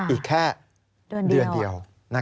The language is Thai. อีกแค่เดือนเดียว